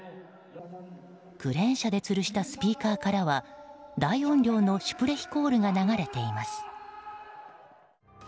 クレーン車でつるしたスピーカーからは大音量のシュプレヒコールが流れています。